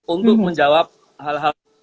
untuk menjawab hal hal